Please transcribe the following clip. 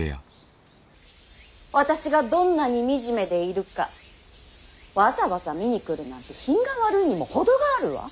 私がどんなに惨めでいるかわざわざ見に来るなんて品が悪いにも程があるわ。